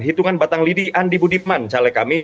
hitungan batang lidi andi budiman calekami